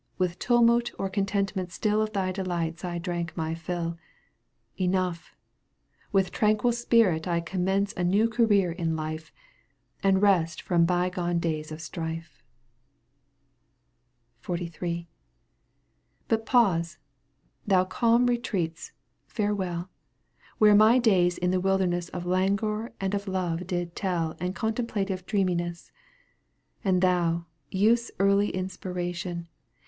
With tumult or contentment stiH Of thy delights I drank my fill — Enough ! with tranquil spirit I Commence a new career in life And rest from bygone days of strifa XLIIL But pause ! Thou calm retreats, farewell. Where my days in the wilderness Of languor and of love did teU And coiaitemplative dreaminess ; And thou, youth's early inspiration.